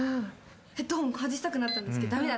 ヘッドホン外したくなったんですけど「駄目だ。